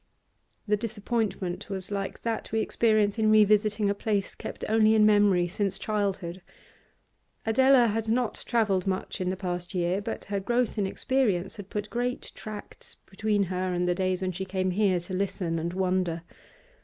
The disappointment was like that we experience in revisiting a place kept only in memory since childhood. Adela had not travelled much in the past year, but her growth in experience had put great tracts between her and the days when she came here to listen and wonder.